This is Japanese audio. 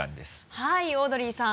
はいオードリーさん。